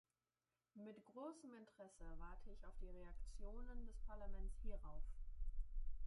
Mit großem Interesse warte ich auf die Reaktionen des Parlaments hierauf.